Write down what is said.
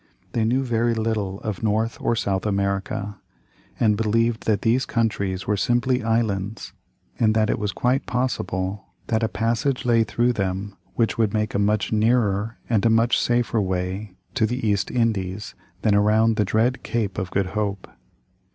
They knew very little of North or South America, and believed that these countries were simply islands and that it was quite possible that a passage lay through them which would make a much nearer and a much safer way to the East Indies than around the dread Cape of Good Hope.